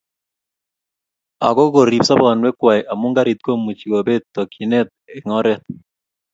Ako korib sobonwek kwai amu garit komuchi kobeet tokchinet eng oret